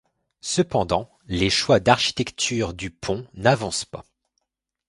Cependant, les choix d'architecture du pont n'avancent pas.